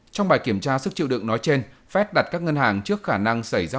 trong bài kiểm tra sức chịu đựng nói trên fed đặt các ngân hàng trước khả năng xảy ra